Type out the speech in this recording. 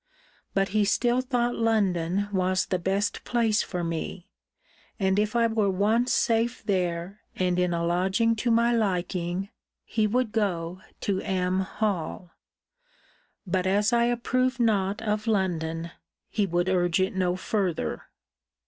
But he still thought London was the best place for me; and if I were once safe there, and in a lodging to my liking, he would go to M. Hall. But, as I approved not of London, he would urge it no further.